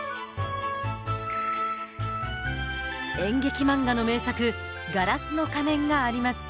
演劇漫画の名作「ガラスの仮面」があります。